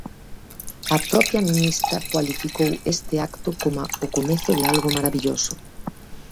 A propia ministra cualificou este acto coma o comezo de algo marabilloso.